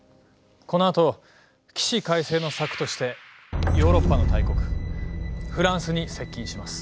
このあと起死回生の策としてヨーロッパの大国フランスに接近します。